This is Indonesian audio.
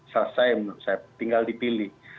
selesai menurut saya tinggal dipilih